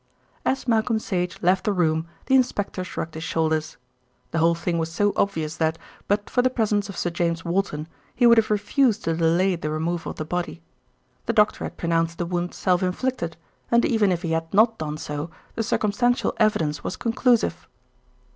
As Malcolm Sage left the room, the inspector shrugged his shoulders. The whole thing was so obvious that, but for the presence of Sir James Walton, he would have refused to delay the removal of the body. The doctor had pronounced the wound self inflicted, and even if he had not done so, the circumstantial evidence was conclusive.